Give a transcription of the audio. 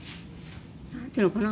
何て言うのかな